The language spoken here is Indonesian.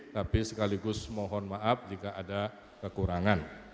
tapi sekaligus mohon maaf jika ada kekurangan